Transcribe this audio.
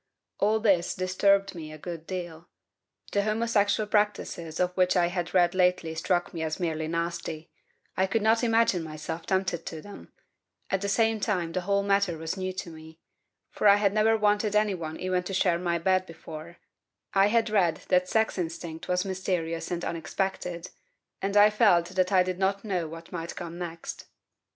All this disturbed me a good deal. The homosexual practices of which I had read lately struck me as merely nasty; I could not imagines myself tempted to them; at the same time the whole matter was new to me, for I had never wanted anyone even to share my bed before; I had read that sex instinct was mysterious and unexpected, and I felt that I did not know what might come next.